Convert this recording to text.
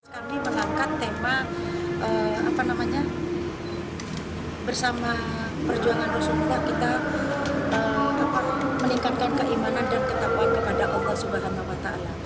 kami berangkat tema bersama perjuangan rasulullah kita meningkatkan keimanan dan ketakuan kepada allah swt